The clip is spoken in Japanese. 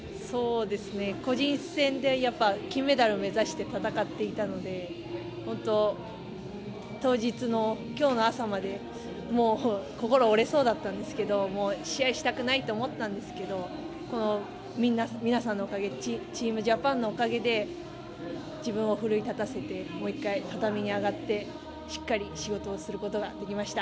個人戦で金メダルを目指して戦っていたので、本当に当日の今日の朝まで心が折れそうだったんですけども試合したくないって思っていたんですけど皆さんのおかげでチームジャパンのおかげで自分を奮い立たせてもう一回、畳に上がってしっかり仕事をすることができました。